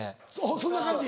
そんな感じ。